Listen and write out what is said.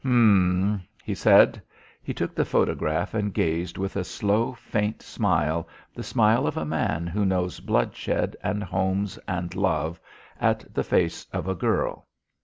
"M m m," he said. He took the photograph and gazed with a slow faint smile, the smile of a man who knows bloodshed and homes and love, at the face of a girl.